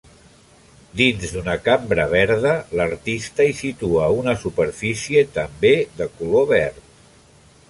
Dins d'una cambra verda l'artista hi situa una superfície també de color verd.